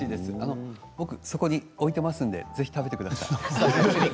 そこに置いていますのでぜひ食べてください。